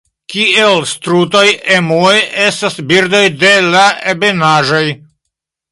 Kiel strutoj, emuoj estas birdoj de la ebenaĵoj.